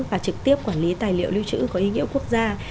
và trực tiếp quản lý tài liệu lưu trữ có ý nghĩa quốc gia